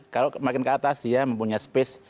kalau kemakin keatas dia mempunyai space